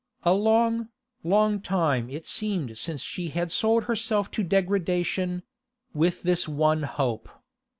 A long, long time it seemed since she had sold herself to degradation: with this one hope.